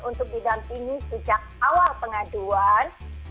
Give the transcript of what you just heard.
untuk didampingi sejak awal pengaduan